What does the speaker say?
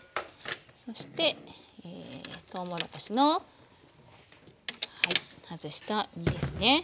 そしてとうもろこしの外した実ですね。